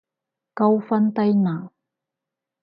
高分低能